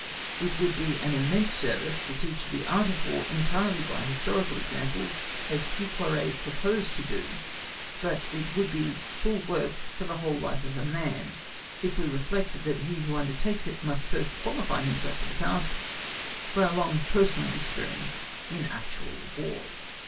It would be an immense service to teach the Art of War entirely by historical examples, as Feuquieres proposed to do; but it would be full work for the whole life of a man, if we reflect that he who undertakes it must first qualify himself for the task by a long personal experience in actual War.